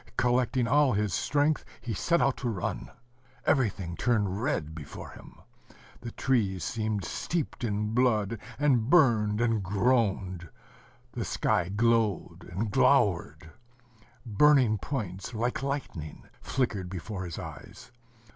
Collecting all his strength, he set out to run. Everything turned red before him. The trees seemed steeped in blood, and burned and groaned. The sky glowed and glowered. ... Burning points, like lightning, flickered before his eyes.